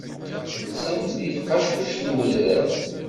Nsant deg tqacuct n udrar.